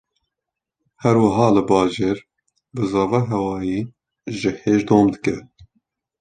Her wiha li bajêr, bizava hewayî jî hêj dom dike